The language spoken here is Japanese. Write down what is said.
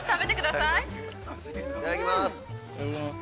◆いただきます。